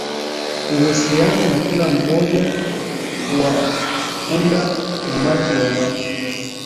uhusiano na kila mmoja hawaunda umati wa watu